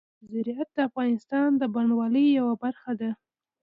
زراعت د افغانستان د بڼوالۍ یوه برخه ده.